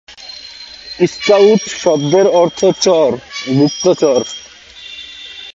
Scout শব্দের অর্থ চর, গুপ্তচর।